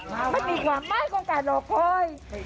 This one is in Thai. มันมีความหมายของการรอคอย